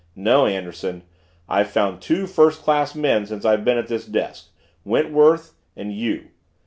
No, Anderson, I've found two first class men since I've been at this desk Wentworth and you.